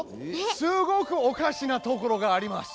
すごくおかしなところがあります。